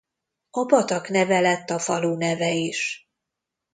A patak neve lett a falu neve is.